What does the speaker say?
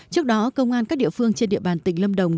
trước đó công an các địa phương trên địa bàn tỉnh lâm đồng